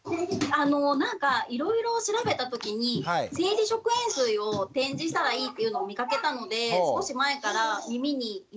いろいろ調べたときに生理食塩水を点耳したらいいというのを見かけたので少し前から耳に入れてます。